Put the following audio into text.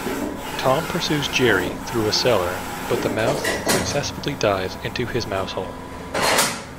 Tom pursues Jerry through a cellar, but the mouse successfully dives into his mousehole.